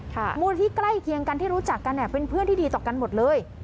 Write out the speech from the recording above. มูลที่ใกล้เคียงกันที่รู้จักกันเนี่ยเป็นเพื่อนที่ดีต่อกันหมดเลย